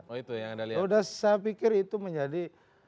sudah saya pikir itu menjadi